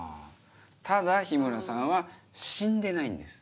ただ日村さんは死んでないんです。